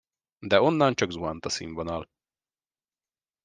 De onnan csak zuhant a színvonal.